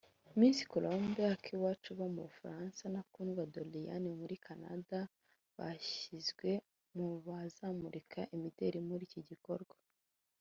Miss Colombe Akiwacu uba mu Bufaransa na Kundwa Doriane muri Canada bashyizwe mu bazamurika imideli muri iki gikorwa